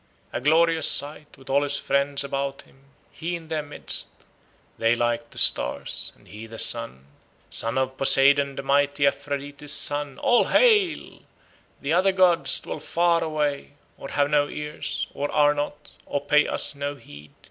A glorious sight, with all his friends about him, He in their midst, They like to stars, and he the sun. Son of Poseidon the mighty, Aphrodite's son, All hail! The other gods dwell far away, Or have no ears, Or are not, or pay us no heed.